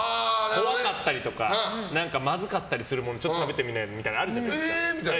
怖かったりとかまずかったりするものをちょっと食べてみなよとかあるじゃないですか。